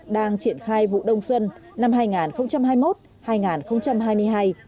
đang triển khai vụ đông xuân năm hai nghìn hai mươi một hai nghìn hai mươi hai